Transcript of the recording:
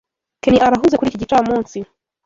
Ken arahuze kuri iki gicamunsi.